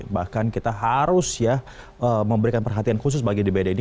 bahkan kita harus ya memberikan perhatian khusus bagi dbd ini